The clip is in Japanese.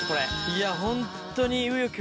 いやホントに。